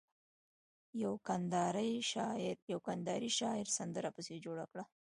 يوه کنداري شاعر سندره پسې جوړه کړه.